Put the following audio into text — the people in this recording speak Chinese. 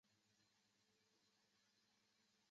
广泛耐药结核之一具有抗药性的结核病。